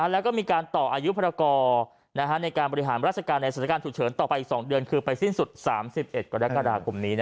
แล้วก็มีการต่ออายุพรกรในการบริหารราชการในสถานการณ์ฉุกเฉินต่อไปอีก๒เดือนคือไปสิ้นสุด๓๑กรกฎาคมนี้